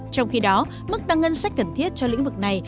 trong khi đó mức tăng ngân sách cần thiết cho lĩnh vực này